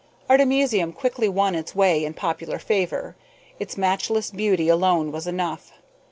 Artemisium quickly won its way in popular favor. Its matchless beauty alone was enough.